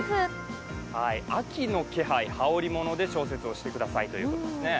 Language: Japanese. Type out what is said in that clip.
秋の気配、羽織り物で調節をしてくださいということですね。